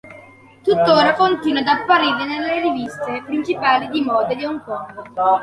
Tuttora continua ad apparire nelle riviste principali di moda di Hong Kong.